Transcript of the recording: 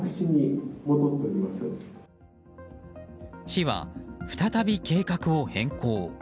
市は、再び計画を変更。